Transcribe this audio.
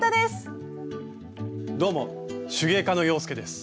どうも手芸家の洋輔です。